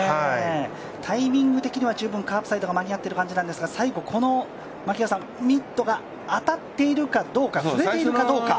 タイミング的には十分カープサイドが間に合っている感じですが、最後、このミットが当たっているかどうか、触れているかどうか。